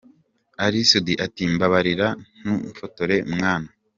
Ally Soudy ati: "Mbabarira ntumfotore mwana!".